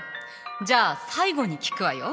じゃあ最後に聞くわよ。